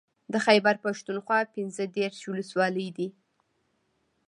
د خېبر پښتونخوا پنځه دېرش ولسوالۍ دي